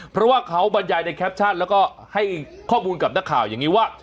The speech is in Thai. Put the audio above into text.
เพราะว่าเขาบรรยายในแคปชั่นแล้วก็ให้ข้อมูลกับนักข่าวอย่างนี้ว่า